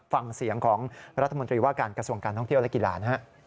ฟังเสียงของรัฐมนตรีว่าการกระทรวงการท่องเที่ยวและกีฬานะฮะ